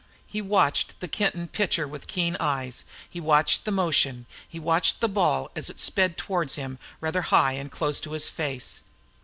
He watched the Kenton pitcher with keen eyes; he watched the motion, and he watched the ball as it sped towards him rather high and close to his face.